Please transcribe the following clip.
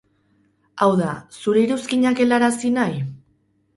Hau da, zure iruzkinak helarazi nahi?